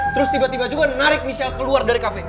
terus tiba tiba juga narik michelle keluar dari kafe